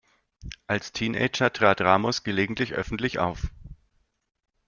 Als Teenager trat Ramos gelegentlich öffentlich auf.